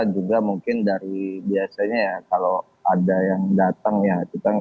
juga mungkin dari biasanya ya kalau ada yang datang ya